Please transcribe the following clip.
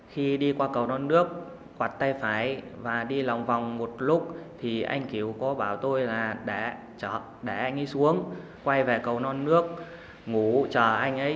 khi đi qua cầu non nước quạt tay phải và đi lòng vòng một lúc thì anh kiểu có bảo tôi là đã đi xuống quay về cầu non nước ngủ chờ anh ấy